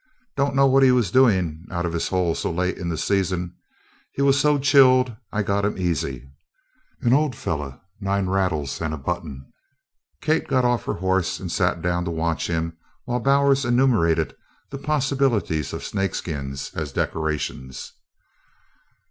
Don't know what he was doin' out of his hole so late in the season. He was so chilled I got him easy an old feller nine rattles and a button." Kate got off her horse and sat down to watch him while Bowers enumerated the possibilities of snake skins as decorations.